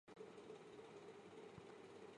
其名称来源于属于易洛魁联盟的奥农多加人。